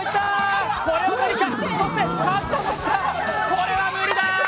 これは無理だー。